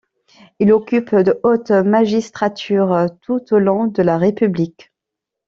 Ils occupent de hautes magistratures tout au long de la République.